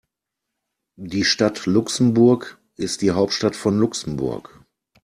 Die Stadt Luxemburg ist die Hauptstadt von Luxemburg.